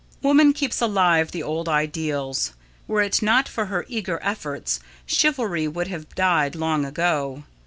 Woman keeps alive the old ideals. Were it not for her eager efforts, chivalry would have died long ago.